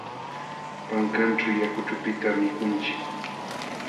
Pankanćhu yakuchupitam mikunchik.